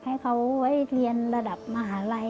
ให้เขาไว้เรียนระดับมหาลัย